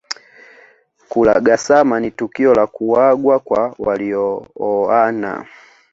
Kulagasama ni tukio la kuagwa kwa waliooana